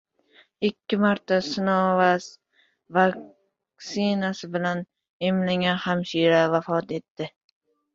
Ikki marta Sinovac vaksinasi bilan emlangan hamshira vafot etdi